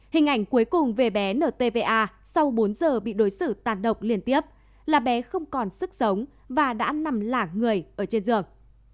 hình ảnh cuối cùng về bé ntva sau bốn giờ bị đối xử tàn độc liên tiếp là bé không còn sức sống và đã nằm lả người ở trên giường